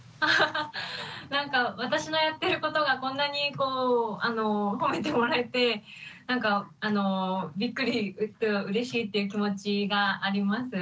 なんか私のやってることがこんなに褒めてもらえてびっくりとうれしいっていう気持ちがあります。